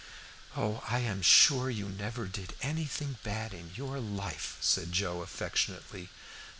"Oh, I am sure you never did anything bad in your life," said Joe affectionately.